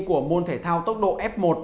của môn thể thao tốc độ f một